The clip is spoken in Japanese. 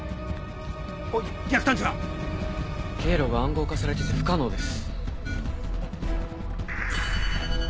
おい逆探知は⁉経路が暗号化されてて不可能です。